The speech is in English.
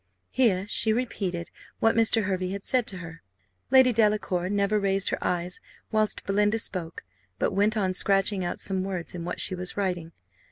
Here she repeated what Mr. Hervey had said to her. Lady Delacour never raised her eyes whilst Belinda spoke, but went on scratching out some words in what she was writing.